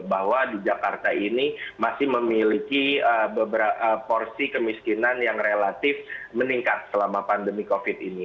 bahwa di jakarta ini masih memiliki beberapa porsi kemiskinan yang relatif meningkat selama pandemi covid ini